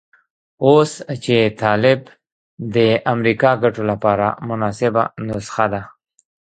اوس چې طالب د امریکا ګټو لپاره مناسبه نسخه ده.